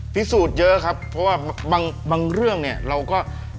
พิสูจน์เยอะครับเพราะว่าบางเรื่องเนี่ยเราก็